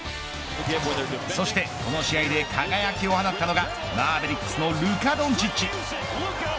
そしてこの試合で輝きを放ったのがマーベリックスのルカ・ドンチッチ。